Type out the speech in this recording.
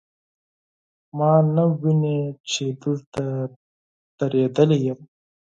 ما نه ویني، چې دلته دریدلی یم